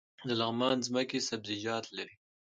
د لغمان ځمکې سبزیجات لري